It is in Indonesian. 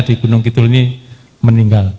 di gunung kidul ini meninggal